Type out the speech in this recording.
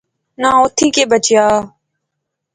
ناں اوتھیں کی بچیا